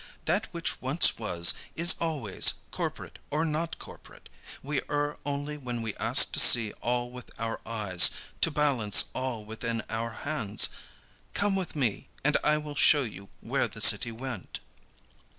That which once was, is always, corporate or not corporate. We err only when we ask to see all with our eyes, to balance all within our hands. Come with me, and I will show you where the city went."